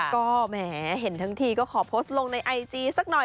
ก็แหมเห็นทั้งทีก็ขอโพสต์ลงในไอจีสักหน่อย